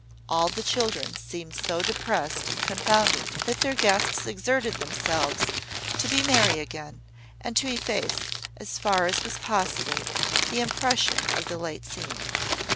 All the children seemed so depressed and confounded, that their guests exerted themselves to be merry again, and to efface, as far as was possible, the impression of the late scene.